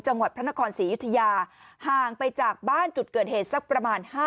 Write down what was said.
จังหวัดพระนครศรีอยุธยาห่างไปจากบ้านจุดเกิดเหตุสักประมาณ